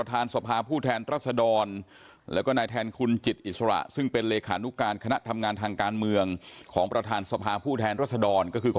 นายสมบูรพ์อุทัยเวียนกุลเลขานุการค์ประธานศพาผู้แทนรัศดร